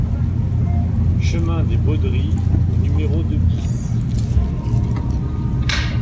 Chemin des Beaudries au numéro deux BIS